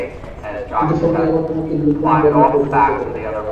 কিন্তু ফলটি আবার তোমাকে নূতন কর্মে প্রবৃত্ত করে।